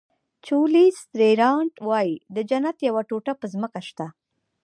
جولیس رینارډ وایي د جنت یوه ټوټه په ځمکه شته.